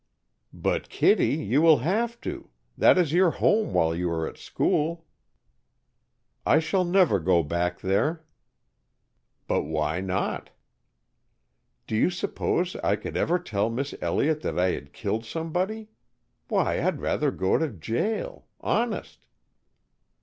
"But, Kittie, you will have to! That is your home while you are at school." "I shall never go back there." "But why not?" "Do you suppose I could ever tell Miss Elliott that I had killed somebody? Why, I'd rather go to jail. Honest."